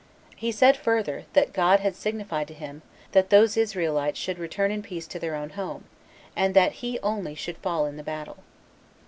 He said further, that God signified to him, that those Israelites should return in peace to their own home, and that he only should fall in the battle.